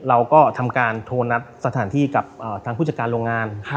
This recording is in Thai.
เราก็ทำการโทรนัดสถานที่กับทางผู้จัดการโรงงาน